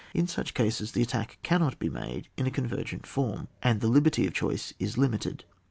In such cases, the attack cannot be made in a convergent form, and the liberty of choice is limited.